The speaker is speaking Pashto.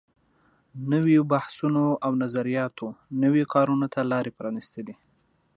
نويو بحثونو او نظریاتو نویو کارونو ته لارې پرانیستلې.